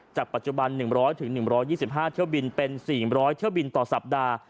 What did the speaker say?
จากปัจจุบัน๑๐๐๑๒๕เที่ยวบินเป็น๔๐๐เที่ยวบินต่อสัปดาห์